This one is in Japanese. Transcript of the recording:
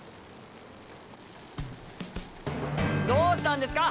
どうしたんですか